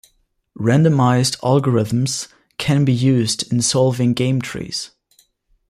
Randomized algorithms can be used in solving game trees.